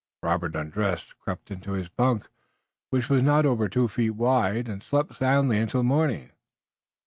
Robert undressed, crept into his bunk, which was not over two feet wide, and slept soundly until morning.